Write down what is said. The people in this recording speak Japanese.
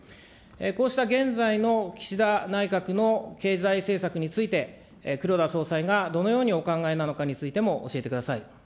こうした現在の岸田内閣の経済政策について、黒田総裁がどのようにお考えなのかについても教えてください。